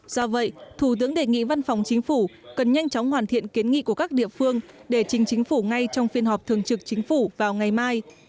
do vậy thủ tướng đề nghị văn phòng chính phủ cần nhanh chóng hoàn thiện kiến nghị của các địa phương để trình chính phủ ngay trong phiên họp thường trực chính phủ vào ngày mai